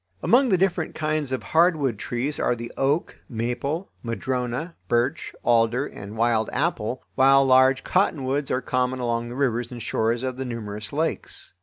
Among the different kinds of hardwood trees are the oak, maple, madrona, birch, alder, and wild apple, while large cottonwoods are common along the rivers and shores of the numerous lakes.